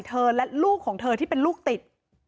และลูกของเธอที่เป็นลูกติด